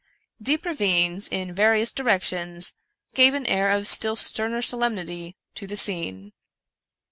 Deep ravines, in various directions, gave an air of still sterner solemnity to the scene.